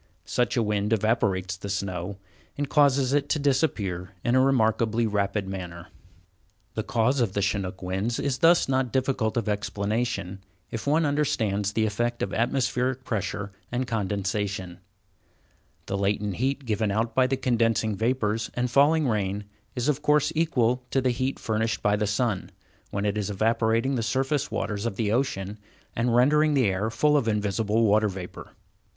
Such a wind evaporates the snow, and causes it to disappear in a remarkably rapid manner. The cause of Chinook winds is thus not difficult of explanation, if one understands the effects of atmospheric pressure and condensation. The latent heat given out by the condensing vapors and falling rain is of course equal to the heat furnished by the sun, when it was evaporating the surface waters of the ocean, and rendering the air full of invisible water vapor.